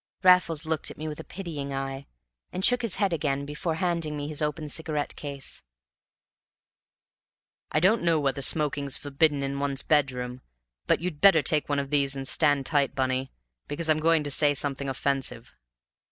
Raffles looked at me with a pitying eye, and shook his head again before handing me his open cigarette case. "I don't know whether smoking's forbidden in one's bedroom, but you'd better take one of these and stand tight, Bunny, because I'm going to say something offensive."